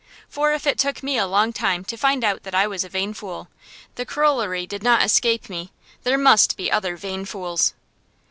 For if it took me a long time to find out that I was a vain fool, the corollary did not escape me: there must be other vain fools.